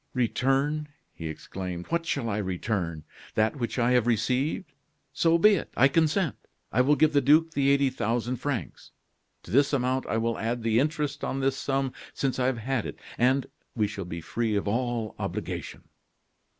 "Return!" he exclaimed. "What shall I return? That which I have received? So be it. I consent. I will give the duke the eighty thousand francs; to this amount I will add the interest on this sum since I have had it, and we shall be free of all obligation."